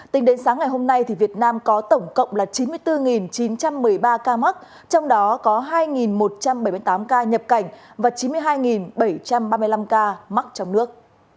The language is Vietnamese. tính đến sáng ngày hôm nay việt nam có tổng cộng là chín mươi bốn chín trăm một mươi ba ca mắc trong đó có hai một trăm bảy mươi tám ca nhập cảnh và chín mươi hai bảy trăm ba mươi năm ca mắc trong nước